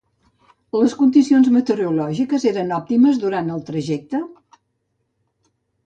Les condicions meteorològiques eren òptimes durant el trajecte?